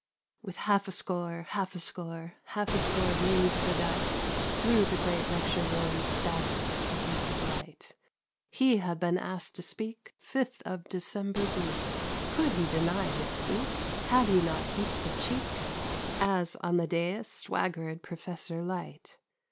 With half a score, Half a score, Half a score rings bedight, Through the great lecture room Staggered Professor Light. He had been asked to speak Fifth of December bleak, Could he deny his squeak ? Had he not heaps of cheek ? As on the dais Swaggered Professor Light.